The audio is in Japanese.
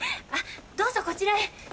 どうぞこちらへ。